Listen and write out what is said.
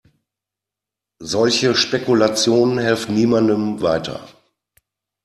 Solche Spekulationen helfen niemandem weiter.